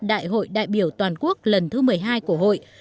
đại hội đại biểu toàn quốc lần thứ một mươi hai của hội